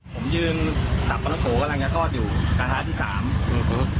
ผมยืนตับปะท่องโกกำลังจะทอดอยู่สถานที่สามอือฮือ